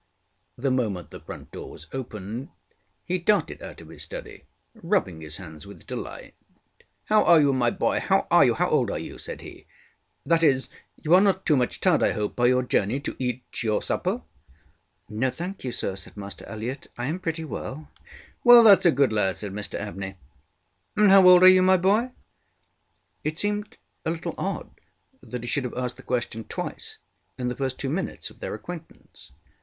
The moment the front door was opened he darted out of his study, rubbing his hands with delight. ŌĆ£How are you, my boy? ŌĆöhow are you? How old are you? ŌĆØ said heŌĆöŌĆ£that is, you are not too much tired, I hope, by your journey to eat your supper? ŌĆØ ŌĆ£No, thank you, sir, ŌĆØ said Master Elliott; ŌĆ£I am pretty well. ŌĆØ ŌĆ£ThatŌĆÖs a good lad, ŌĆØ said Mr Abney. ŌĆ£And how old are you, my boy? ŌĆØ It seemed a little odd that he should have asked the question twice in the first two minutes of their acquaintance.